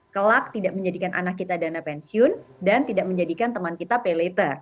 kelak tidak menjadikan anak kita dana pensiun dan tidak menjadikan teman kita pay later